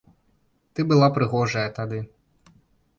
Ты была прыгожая тады.